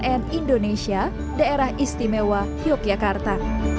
tim liputan cnn indonesia daerah istimewa yogyakarta